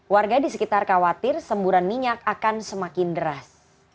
warga di sekitar khawatir semburan minyak akan semakin deras